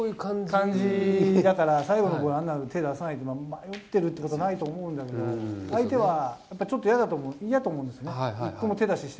感じだから、最後のボール、手を出さないのは、迷ってることないと思うんだけど、相手はやっぱりちょっと嫌だと思う、嫌と思うんですね。